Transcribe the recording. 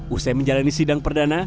usai menjalani sidang perdana